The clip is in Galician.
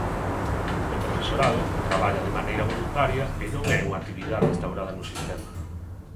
O profesorado traballa de maneira voluntaria e non é unha actividade instaurada no sistema.